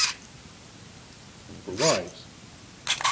For Wives.